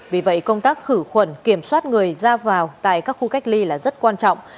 vì vậy công tác khử khuẩn kiểm soát người ra vào tại các khu cách ly là rất quan trọng